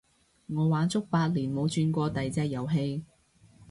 我玩足八年冇轉過第隻遊戲